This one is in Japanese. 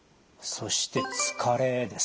そして疲れですね？